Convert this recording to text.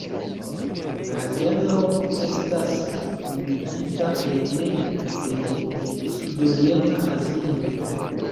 La genro estas limigita ene de Sudorienta Azio.